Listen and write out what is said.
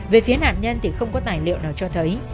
về phía nạn nhân thì không có tài liệu nào cho thấy